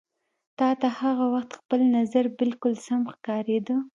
تا ته هغه وخت خپل نظر بالکل سم ښکارېده.